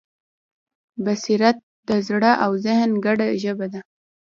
بصیرت د زړه او ذهن ګډه ژبه ده.